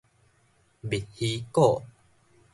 蜜希古